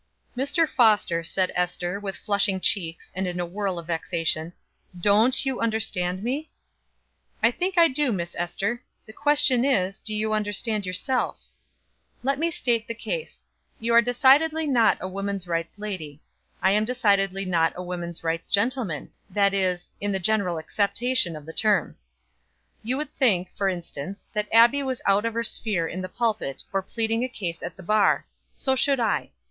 "Mr. Foster," said Ester, with flushing cheeks, and in a whirl of vexation, "don't you understand me?" "I think I do, Miss Ester. The question is, do you understand yourself? Let me state the case. You are decidedly not a woman's rights lady. I am decidedly not a woman's rights gentleman that is, in the general acceptation of that term. You would think, for instance, that Abbie was out of her sphere in the pulpit or pleading a case at the bar. So should I.